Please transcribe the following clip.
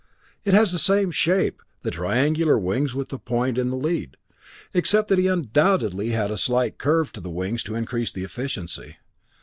It has the same shape, the triangular wings with the point in the lead, except that he undoubtedly had a slight curve to the wings to increase the efficiency.